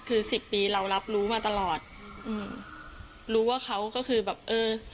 คือสิบปีเรารับรู้มาตลอดอืมรู้ว่าเขาก็คือแบบเออ